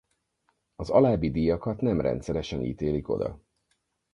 Az alábbi díjakat nem rendszeresen ítélik oda.